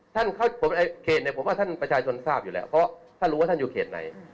ท่านเข้าเขตในผมว่าท่านประชาชนทราบอยู่แล้วเพราะรู้ว่าท่านอยู่เขตใน